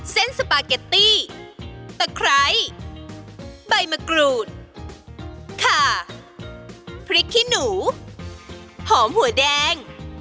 สปาเกตตี้ตะไคร้ใบมะกรูดขาพริกขี้หนูหอมหัวแดง